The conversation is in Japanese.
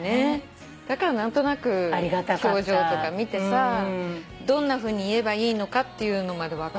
だから何となく表情とか見てさどんなふうに言えばいいのかっていうのまで分かって。